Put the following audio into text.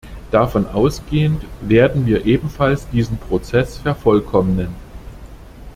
Davon ausgehend werden wir ebenfalls diesen Prozess vervollkommnen.